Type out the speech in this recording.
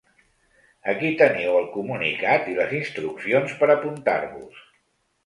Aquí teniu el comunicat i les instruccions per apuntar-vos.